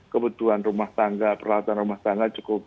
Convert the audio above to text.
kebutuhan rumah tangga peralatan rumah tangga cukup